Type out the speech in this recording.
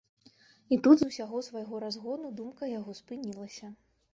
І тут з усяго свайго разгону думка яго спынілася.